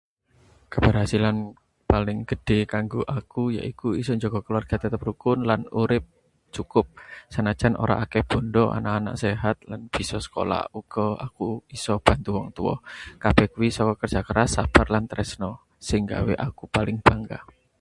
Kabarhasilan paling gedhe kanggo aku yaiku isa njaga keluarga tetep rukun lan urip cukup. Sanajan ora akèh bandha, anak-anak sehat lan bisa sekolah, uga aku isa bantu wong tuwa. Kabeh kuwi saka kerja keras, sabar, lan tresna — sing nggawe aku paling bangga.